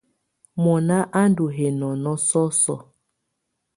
Mɔ́nà á ndɔ́ hɛ́nɔ́nɔ̀ sɔ́sɔ̀.